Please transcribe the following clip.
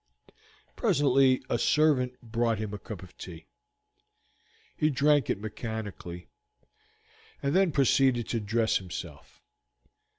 Presently a servant brought him a cup of tea. He drank it mechanically, and then proceeded to dress himself.